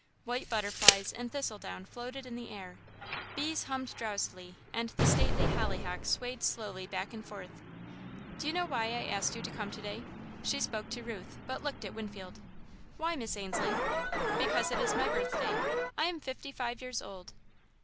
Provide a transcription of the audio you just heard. White butterflies and thistledown floated in the air, bees hummed drowsily, and the stately hollyhocks swayed slowly back and forth. "Do you know why I asked you to come today?" She spoke to Ruth, but looked at Winfield. "Why, Miss Ainslie?" "Because it is my birthday I am fifty five years old."